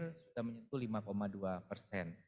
kita menyentuh lima dua persen